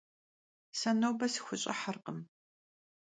Se nobe sıxuş'ıherkhım.